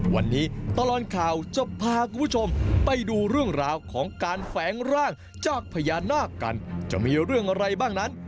วันนี้ตลอดข่าวจะพาคุณผู้ชมไปดูเรื่องราวของการแฝงร่างจากพญานาคกันจะมีเรื่องอะไรบ้างนั้น